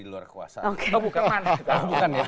di luar kekuasaan oh bukan mana tahu